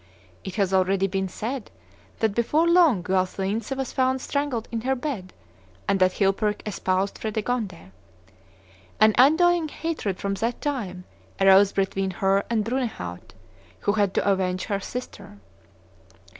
It has already been said that before long Galsuinthe was found strangled in her bed, and that Chilperic espoused Fredegonde. An undying hatred from that time arose between her and Brunehaut, who had to avenge her sister.